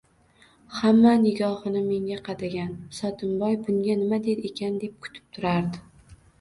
Hamma nigohini menga qadagan, Sotimboy bunga nima der ekan deb kutib turardi.